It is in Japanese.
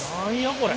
これ。